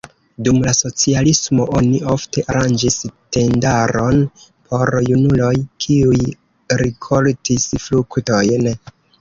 Dum la socialismo oni ofte aranĝis tendaron por junuloj, kiuj rikoltis fruktojn.